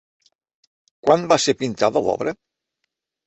Quan va ser pintada l'obra?